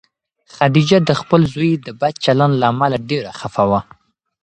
خدیجه د خپل زوی د بد چلند له امله ډېره خفه وه.